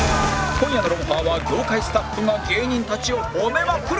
今夜の『ロンハー』は業界スタッフが芸人たちをホメまくる！